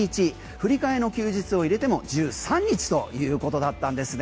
振り替えの休日を入れても１３日ということだったんです。